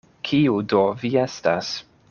Kiu do vi estas?